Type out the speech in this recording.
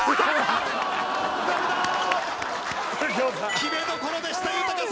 決めどころでした豊さん！